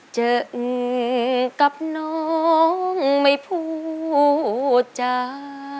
เจอกับน้องไม่พูดจา